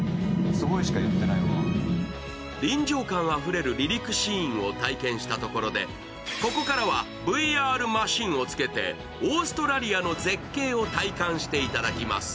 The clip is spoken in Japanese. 臨場感あふれる離陸シーンを体験したところで、ここからはＶＲマシンをつけてオーストラリアの絶景を体感していただきます。